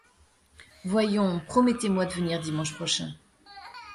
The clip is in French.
Voyons, promettez-moi de venir dimanche prochain.